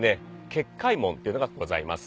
結界門っていうのがございます。